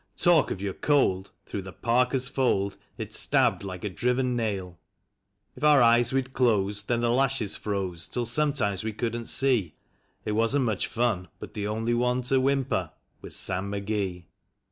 Talk of your cold ! through the parka's fold it stabbed like a driven nail. If our eyes we'd close, then the lashes froze, till some times we couldn't see; It wasn't much fun, but the only one to whimper was Sam McGee.